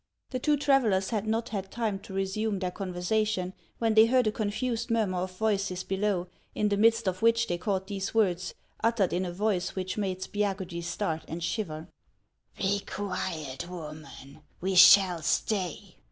The two travellers had not had time to resume their con versation, when they heard a confused murmur of voices below, in the midst of which they caught these words, uttered in a voice which made Spiagudry start and shiver :" Be quiet, woman ; we shall stay.